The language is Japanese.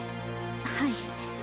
はい。